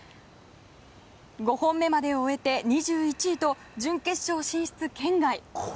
５本目までを終えて２１位と準決勝進出圏外。